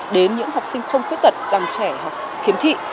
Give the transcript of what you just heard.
đến những học sinh không khuyết tật dòng trẻ khiếm thị